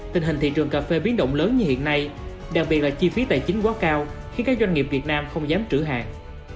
tình hình thị trường cà phê biến động lớn như hiện nay đặc biệt là chi phí tài chính quá cao khiến các doanh nghiệp việt nam không dám trữ hàng